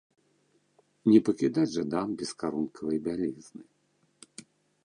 Не пакідаць жа дам без карункавай бялізны!